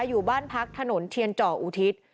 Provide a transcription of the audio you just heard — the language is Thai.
อยู่บ้านพักถนนเทียนเจาะอุทิศ